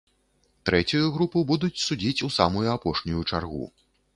Трэцюю групу будуць судзіць у самую апошнюю чаргу.